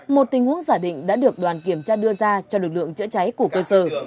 một tình huống giả định đã được đoàn kiểm tra đưa ra cho lực lượng chữa cháy của cơ sở